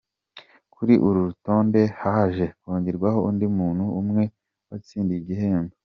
Kuri uru rutonde haje kongerwaho undi muntu umwe watsindiye igihembo.